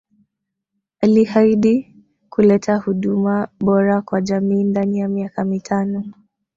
Alihaidi kuleta huduma bora kwa jamii ndani ya miaka mitano